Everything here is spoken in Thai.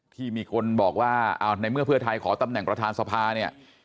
ที่มีคนบอกว่าในเมื่อเพื่อไทยขอตำแหน่งประธานสภาเนี่ย